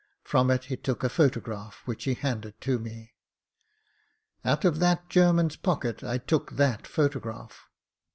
From it he tock a photo graph, which he handed to me. "Out of that German's pocket I took that photo graph."